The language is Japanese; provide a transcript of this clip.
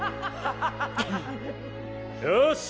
よし！